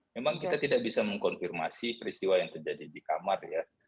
memang kita tidak bisa mengkonfirmasi peristiwa yang terjadi di kamar ya